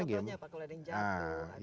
contohnya apa kalau ada yang jatuh